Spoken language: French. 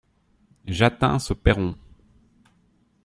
J'atteins ce perron.